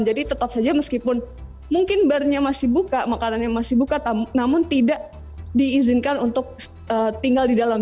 jadi tetap saja meskipun mungkin barnya masih buka makanan yang masih buka namun tidak diizinkan untuk tinggal di dalam